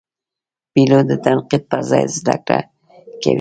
پیلوټ د تنقید پر ځای زده کړه کوي.